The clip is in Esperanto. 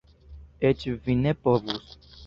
Eĉ vi ne povus!